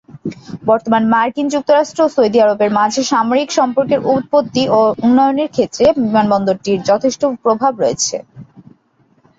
বর্তমান মার্কিন যুক্তরাষ্ট্র ও সৌদি আরবের মাঝের সামরিক সম্পর্কের উৎপত্তি ও উন্নয়নের ক্ষেত্রে বিমানবন্দরটির যথেষ্ট প্রভাব রয়েছে।